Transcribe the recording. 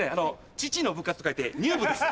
「乳の部」と書いて乳部です。